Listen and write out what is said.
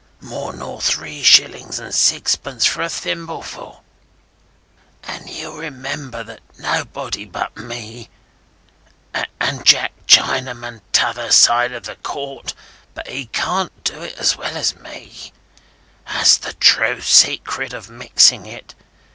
More nor three shillings and sixpence for a thimbleful! And ye'll remember that nobody but me (and Jack Chinaman t'other side the court; but he can't do it as well as me) has the true secret of mixing it?